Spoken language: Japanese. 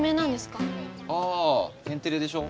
ああ「天てれ」でしょ？